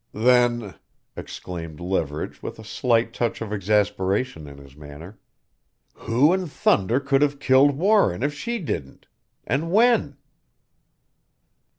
"Then," exclaimed Leverage with a slight touch of exasperation in his manner "who in thunder could have killed Warren if she didn't? And when?"